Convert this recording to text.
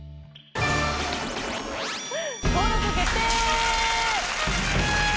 登録決定！